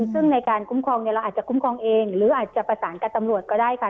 ซึ่งในการคุ้มครองเราอาจจะคุ้มครองเองหรืออาจจะประสานกับตำรวจก็ได้ค่ะ